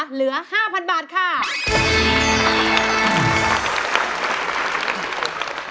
เหลือ๕๐๐๐บาทค่ะ